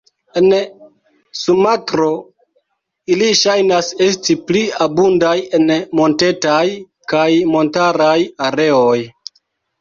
En Sumatro, ili ŝajnas esti pli abundaj en montetaj kaj montaraj areoj.